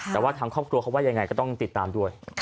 แต่ว่าทางครอบครัวเขาว่ายังไงก็ต้องติดตามด้วย